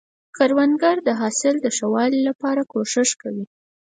کروندګر د حاصل ښه والي لپاره کوښښ کوي